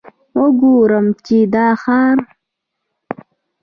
وګورم چې دا ښار.